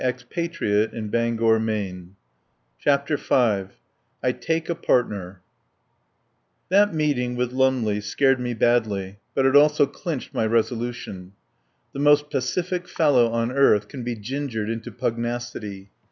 no CHAPTER V I TAKE A PARTNER CHAPTER V I TAKE A PARTNER THAT meeting with Lumley scared me badly, but it also clinched my resolu tion. The most pacific fellow on earth can be gingered into pugnacity.